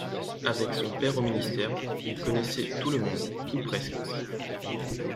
Avec son père au Ministère, il connaissait tout le monde ou presque.